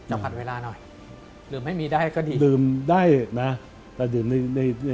เอาผ่านเวลาหน่อยลืมให้มีได้ก็ดี